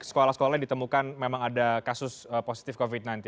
sekolah sekolah yang ditemukan memang ada kasus positif covid sembilan belas